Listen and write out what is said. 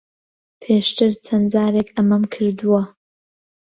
پێشتر چەند جارێک ئەمەم کردووە.